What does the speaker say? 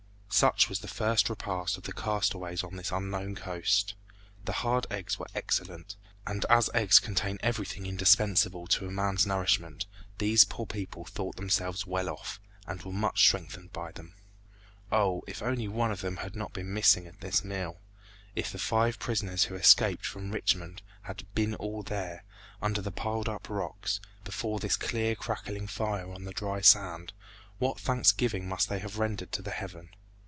Such was the first repast of the castaways on this unknown coast. The hard eggs were excellent, and as eggs contain everything indispensable to man's nourishment, these poor people thought themselves well off, and were much strengthened by them. Oh! if only one of them had not been missing at this meal! If the five prisoners who escaped from Richmond had been all there, under the piled up rocks, before this clear, crackling fire on the dry sand, what thanksgiving must they have rendered to Heaven!